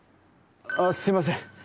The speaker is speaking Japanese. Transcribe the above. あっすいません